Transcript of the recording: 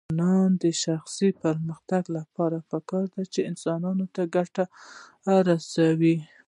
د ځوانانو د شخصي پرمختګ لپاره پکار ده چې انسانانو ته ګټه رسوي.